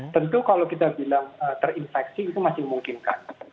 tentu kalau kita bilang terinfeksi itu masih memungkinkan